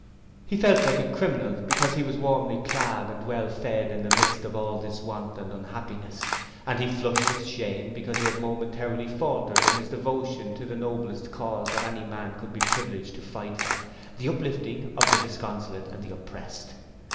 He felt like a criminal because he was warmly clad and well fed in the midst of all this want and unhappiness, and he flushed with shame because he had momentarily faltered in his devotion to the noblest cause that any man could be privileged to fight for the uplifting of the disconsolate and the oppressed.